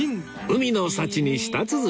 海の幸に舌鼓